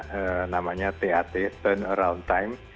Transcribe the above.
ada namanya tat turn around time